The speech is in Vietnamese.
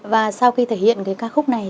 và sau khi thể hiện ca khúc này